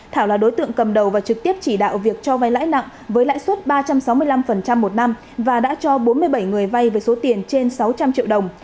thảo là đối tượng cầm đầu và trực tiếp chỉ đạo việc cho vay lãi nặng với lãi suất ba trăm sáu mươi năm một năm và đã cho bốn mươi bảy người vay với số tiền trên sáu trăm linh triệu đồng